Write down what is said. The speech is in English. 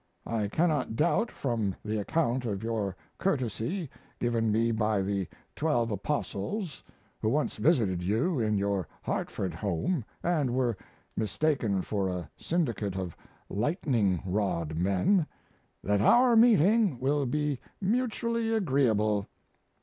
I cannot doubt, from the account of your courtesy given me by the Twelve Apostles, who once visited you in your Hartford home and were mistaken for a syndicate of lightning rod men, that our meeting will be mutually agreeable.